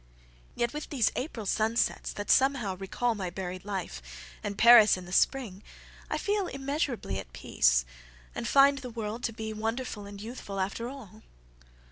"Yet with these April sunsets, that somehow recallMy buried life, and Paris in the Spring,I feel immeasurably at peace, and find the worldTo be wonderful and youthful, after all."